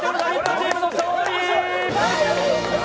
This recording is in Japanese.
チームの勝利。